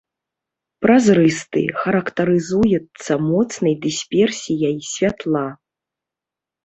Празрысты, характарызуецца моцнай дысперсіяй святла.